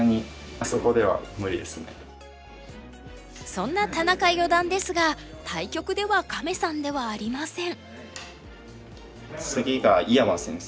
そんな田中四段ですが対局ではカメさんではありません。